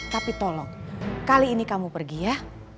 tapi tolong kali ini kamu pergi ya